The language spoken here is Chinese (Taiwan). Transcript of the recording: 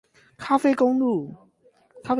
咖啡公路